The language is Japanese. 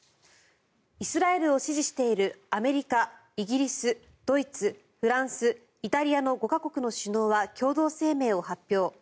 イスラエルを支持しているアメリカ、イギリス、ドイツフランス、イタリアの５か国の首脳は共同声明を発表。